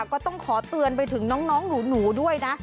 ก็ต้องขอเตือนไปถึงน้องหนูด้วยนะ